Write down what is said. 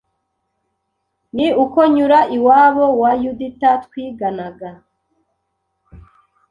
Ni uko nyura iwabo wa Yudita twiganaga